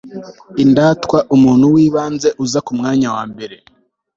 indatwa umuntu w'ibanze uza ku mwanya wa mbere